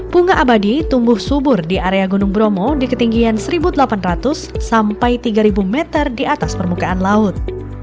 bunga abadi tumbuh subur di area gunung bromo di ketinggian satu delapan ratus sampai tiga meter di atas permukaan laut